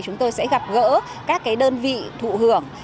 chúng tôi sẽ gặp gỡ các đơn vị thụ hưởng